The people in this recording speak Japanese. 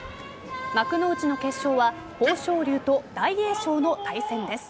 幕内の決勝は豊昇龍と大栄翔の対戦です。